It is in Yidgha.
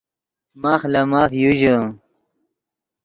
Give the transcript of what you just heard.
ماخ لے ماف یو ژے